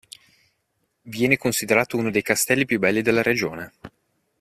Viene considerato uno dei castelli più belli della regione.